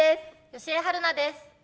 吉江晴菜です。